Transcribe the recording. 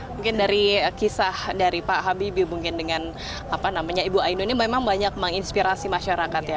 mungkin dari kisah dari pak habibie mungkin dengan ibu ainun ini memang banyak menginspirasi masyarakat ya